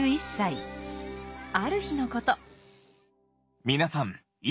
ある日のこと。